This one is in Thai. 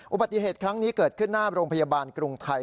อุบัติเหตุครั้งนี้เกิดขึ้นหน้าโรงพยาบาลกรุงไทย